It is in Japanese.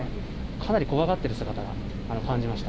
かなり怖がってる姿が、感じました。